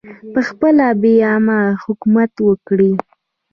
پخپله بې غمه حکومت وکړي